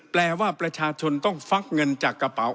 แปลว่าประชาชนต้องฟักเงินจากกระเป๋า